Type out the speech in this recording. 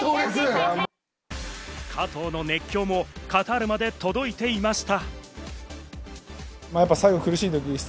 加藤の熱狂もカタールまで届いていました。